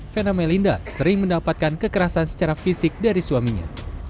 vena melinda sering mendapatkan kekerasan secara fisik dari suaminya